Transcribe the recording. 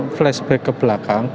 flashback ke belakang